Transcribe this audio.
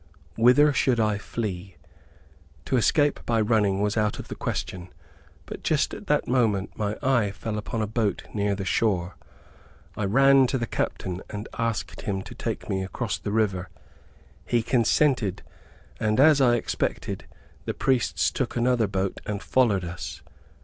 Whither should I flee? To escape by running, was out of the question, but just at that moment my eye fell upon a boat near the shore. I ran to the captain, and asked him to take me across the river. He consented, and, as I expected, the priests took another boat and followed us.